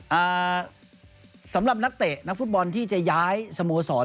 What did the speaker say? สำหรับนักเตะนักฟุตบอลที่จะย้ายสโมสร